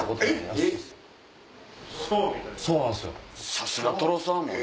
さすがとろサーモン。